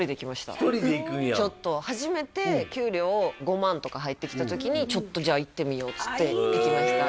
一人で行くんや初めて給料を５万とか入ってきた時にちょっとじゃあ行ってみようっつって行きました